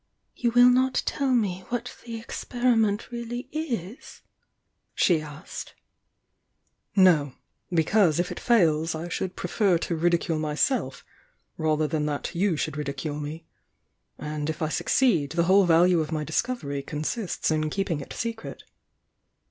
"You will not tell me what the experiment really iR?" she flskcd "No Because, if it fails I prefer to ridicule my self rather than that you should ridicule me. And if I succeed the whole value of my discovery consists in keeping it secret."